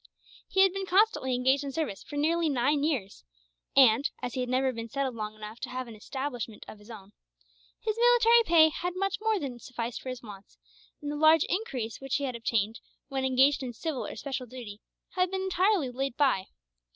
He had been constantly engaged in service for nearly nine years and, as he had never been settled long enough to have an establishment of his own, his military pay had much more than sufficed for his wants; and the large increase which he had obtained, when engaged in civil or special duty, had been entirely laid by.